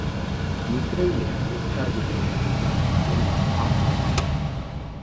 Митрийнень эзь чарькодеве кенкшенть ёнов аволдамось.